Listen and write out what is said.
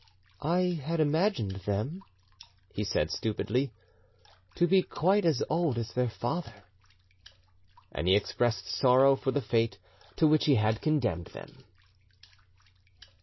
"I had imagined them," he said stupidly, "to be quite as old as their father;" and he expressed sorrow for the fate to which he had condemned them.